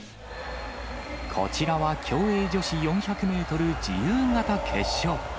こちらは競泳女子４００メートル自由形決勝。